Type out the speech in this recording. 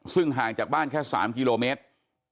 ซึ่งห่างจากบ้านแค่๓กิโลเมตร